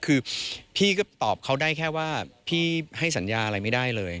คือพี่ก็ตอบเขาได้แค่ว่าพี่ให้สัญญาอะไรไม่ได้เลย